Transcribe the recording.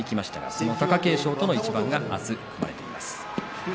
その貴景勝との一番が明日、組まれています。